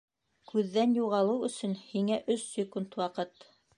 Күҙҙән юғалыу өсөн һиңә өс секунд ваҡыт.